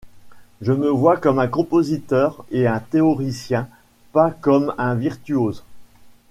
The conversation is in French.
Je me vois comme un compositeur et un théoricien, pas comme un virtuose.